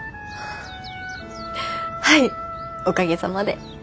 はいおかげさまで。